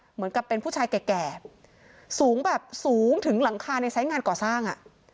เหมือนกับเป็นผู้ชายแก่สูงแบบสูงถึงหลังคาในไซส์งานก่อสร้างอ่ะ